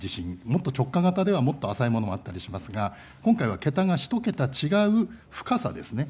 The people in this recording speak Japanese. もっと直下型ではもっと浅いものがありますが今回は桁が１桁違う深さですね。